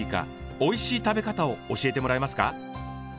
おいしい食べ方を教えてもらえますか？